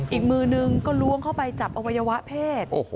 อีกมือนึงก็ล้วงเข้าไปจับอวัยวะเพศ